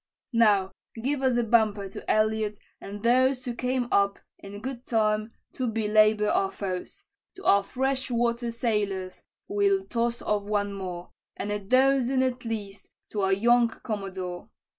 "Now give us a bumper to Elliott and those Who came up, in good time, to belabor our foes: To our fresh water sailors we'll toss off one more, And a dozen, at least, to our young commodore.